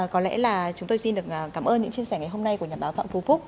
có lẽ là chúng tôi xin được cảm ơn những chia sẻ ngày hôm nay của nhà báo phạm phú phúc